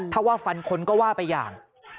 ถ้าว่าฟันคนก็ว่าไปอย่าง